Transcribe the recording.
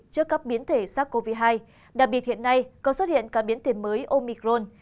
trước các biến thể sắc covid hai đặc biệt hiện nay có xuất hiện các biến thể mới omicron